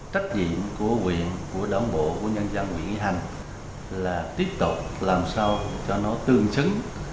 trách nhiệm của huyện của đám bộ của nhân dân huyện nghĩa hành là tiếp tục làm sao cho nó tương chứng